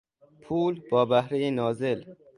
پول با بهرهی نازل